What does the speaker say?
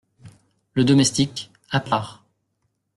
Le Domestique , à part.